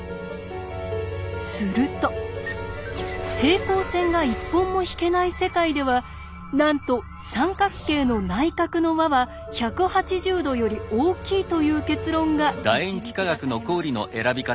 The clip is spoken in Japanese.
すると平行線が１本も引けない世界ではなんと三角形の内角の和は１８０°より大きいという結論が導き出されました。